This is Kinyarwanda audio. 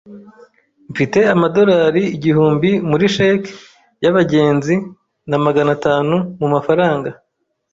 Mfite amadorari igihumbi muri cheque yabagenzi na magana atanu mumafaranga.